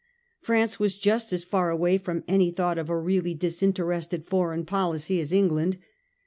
France was just as far away from any thought of a really disinterested foreign policy as England.